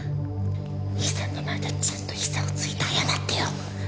兄さんの前でちゃんと膝をついて謝ってよ！